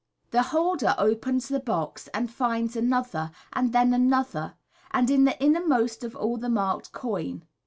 The holder opens the box, and finds another, and then another, and in the innermDSt of all the marked coin.